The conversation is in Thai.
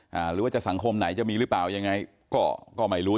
หรือว่าจะสังคมไหนจะมีหรือเปล่ายังไงก็ก็ไม่รู้